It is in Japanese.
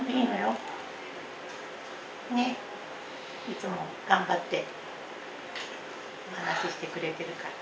いつも頑張ってお話ししてくれてるから。